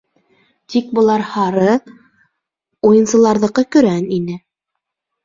Тик былар — һары, уйынсыларҙыҡы көрән ине.